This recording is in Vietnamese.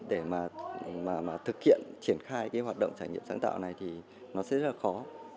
để mà thực hiện triển khai cái hoạt động trải nghiệm sáng tạo này thì nó sẽ rất là khó